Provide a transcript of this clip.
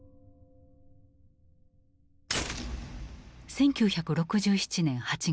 １９６７年８月。